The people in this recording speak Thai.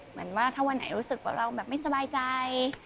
เหมือนว่าถ้าวันไหนรู้สึกว่าเราแบบไม่สบายใจ